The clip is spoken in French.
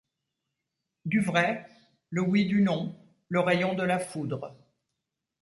Du vrai, le oui du non, le rayon de la foudre